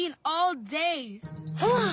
はあ。